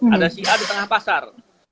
ada si a di tengah pasar